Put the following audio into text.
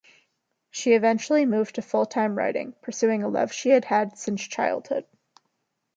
She eventually moved to full-time writing, pursuing a love she had had since childhood.